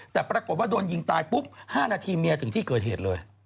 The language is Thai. แต่ปรากฏว่าโดนยิงตายปุ๊บ๕นาทีเมียถึงที่เกิดเหตุเลย